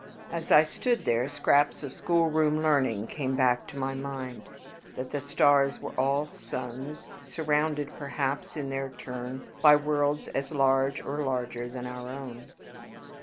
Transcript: As I stood there scraps of schoolroom learning came back to my mind. That the stars were all suns, surrounded perhaps in their turn by worlds as large or larger than our own.